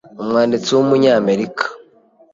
Umwanditsi w’umunya America